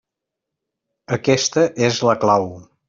Aquesta és la clau.